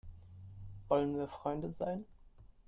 Wollen wir Freunde sein?